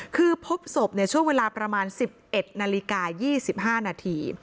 คือพบศพช่วงเวลาประมาณ๑๑นาฬิกา๒๕นาที